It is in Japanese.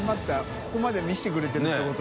ここまで見せてくれてるってことは。